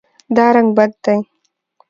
دا رنګ بد دی